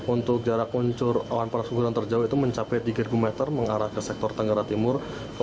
untuk jarak kuncur awan panas guguran terjauh itu mencapai tiga meter mengarah ke sektor tenggara timur